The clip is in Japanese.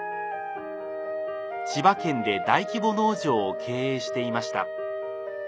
千葉県で大規模農場を経営していました。